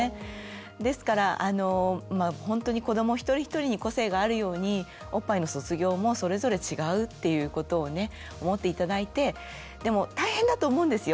ですからほんとに子ども一人一人に個性があるようにおっぱいの卒業もそれぞれ違うっていうことをね思って頂いてでも大変だと思うんですよ